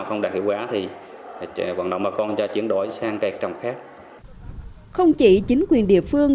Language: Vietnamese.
không chỉ chính quyền địa phương